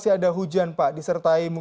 banyak sekali pohon yang tumbang